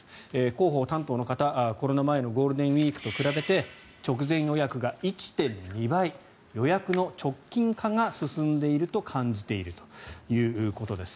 広報担当の方、コロナ前のゴールデンウィークと比べて直前予約が１．２倍予約の直近化が進んでいると感じているということです。